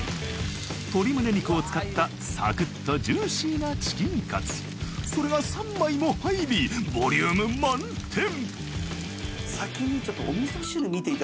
鶏むね肉を使ったサクッとジューシーなチキンカツそれが３枚も入りボリューム満点